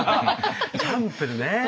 チャンプルーね。